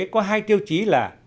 có hai tiêu chí là